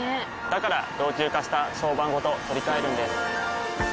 から老朽化した床版ごと取り替えるんです。